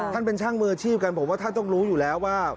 ท่านเป็นช่างมืออาชีพกันผมว่าท่านต้องรู้อยู่แล้วว่า